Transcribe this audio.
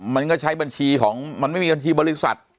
มันก็ใช้บัญชีของมันไม่มีบัญชีบริษัท